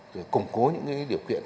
rồi củng cố những cái điều kiện